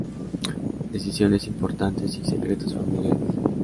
Decisiones importantes y secretos familiares.